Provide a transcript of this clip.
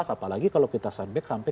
apalagi kalau kita sampai dua ribu empat